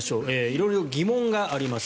色々疑問があります。